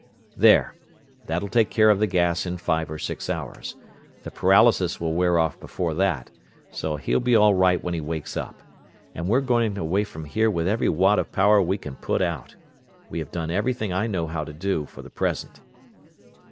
"There! That'll take care of the gas in five or six hours. The paralysis will wear off before that, so he'll be all right when he wakes up; and we're going away from here with every watt of power we can put out. We have done everything I know how to do, for the present."